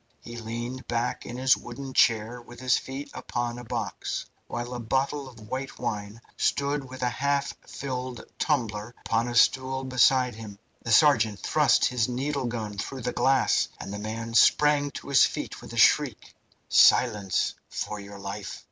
He leaned back in his wooden chair with his feet upon a box, while a bottle of white wine stood with a half filled tumbler upon a stool beside him. The sergeant thrust his needle gun through the glass, and the man sprang to his feet with a shriek. "Silence, for your life!